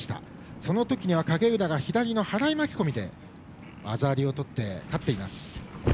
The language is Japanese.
そのときには、影浦が左の払い巻き込みで技ありをとって勝っています。